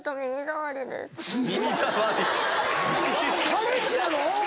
彼氏やろ？